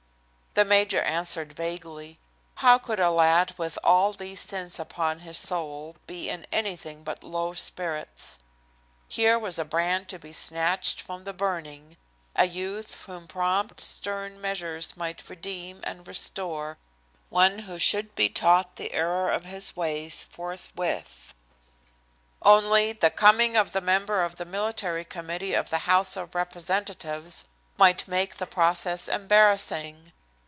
The major answered vaguely. How could a lad with all these sins upon his soul be in anything but low spirits? Here was a brand to be snatched from the burning, a youth whom prompt, stern measures might redeem and restore, one who should be taught the error of his ways forthwith; only, the coming of the member of the Military Committee of the House of Representatives might make the process embarrassing.